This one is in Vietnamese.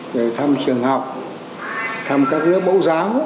rồi thăm trường học thăm các nước bẫu giáo